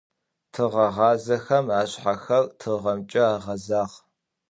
Тыгъэгъазэхэм ашъхьэхэр тыгъэмкӀэ агъэзагъ.